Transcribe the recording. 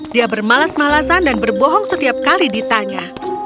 dia bermalas malasan dan berbohong setiap kali ditanya